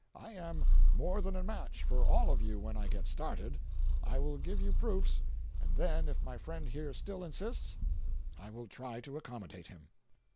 I am more than a match for all of you when I get started. I will give you proofs, and then if my friend here still insists, I will try to accommodate him."